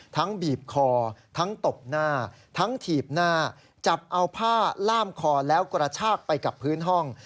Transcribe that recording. บีบคอทั้งตบหน้าทั้งถีบหน้าจับเอาผ้าล่ามคอแล้วกระชากไปกับพื้นห้อง